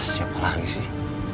siapa lagi sih